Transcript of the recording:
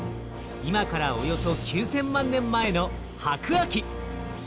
今からおよそ９，０００万年前の白亜紀。